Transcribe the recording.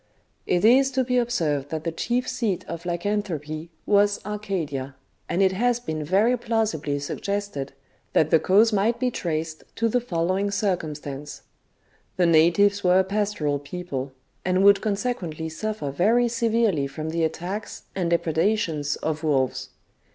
It is to be observed that the chief seat of Lycan thropy was Arcadia, and it has been very plausibly sug gested that the cause might be traced to the following circumstance :— The natives were a pastoral people, and would consequently suffer very severely from the attacks and depredations of wolves.